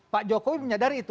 pak jokowi menyadari itu